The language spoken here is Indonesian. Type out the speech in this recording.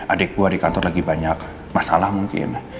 adik gue di kantor lagi banyak masalah mungkin